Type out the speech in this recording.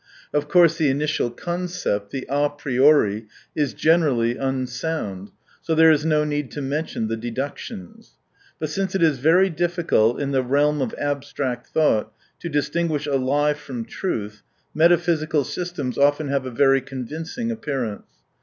Of course the initial concept, the a priori, is generally unsound, so there is no need to mention the deductions. But since it is very difficult in the realm of abstract thought to distinguish a lie from truth, metaphysical systems often have a very convincing appearance.